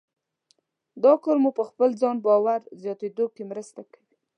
دا کار مو په خپل ځان باور زیاتېدو کې مرسته کوي.